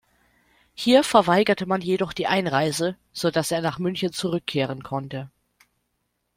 Hier verweigerte man jedoch die Einreise, sodass er nach München zurückkehren konnte.